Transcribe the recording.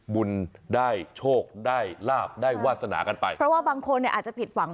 บุญได้โชคได้ลาบได้วาสนากันไปเพราะว่าบางคนเนี่ยอาจจะผิดหวัง